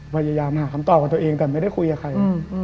พยายามหาคำตอบกับตัวเองแต่ไม่ได้คุยกับใคร